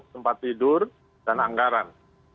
tempat tidur dan anggaran